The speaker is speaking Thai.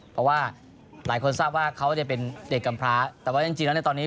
เพราะว่าหลายคนทราบว่าเขาจะเป็นเด็กกำพร้าแต่ว่าจริงแล้วในตอนนี้